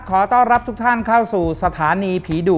ขอต้อนรับทุกท่านเข้าสู่สถานีผีดุ